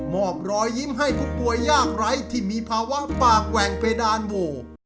อบรอยยิ้มให้ผู้ป่วยยากไร้ที่มีภาวะปากแหว่งเพดานโว